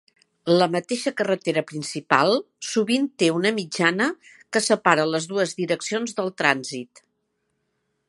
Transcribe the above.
La mateixa carretera principal sovint té una mitjana que separa les dues direccions del trànsit.